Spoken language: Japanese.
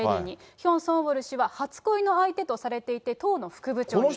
ヒョン・ソンウォル氏は初恋の相手とされていて、党の副部長に。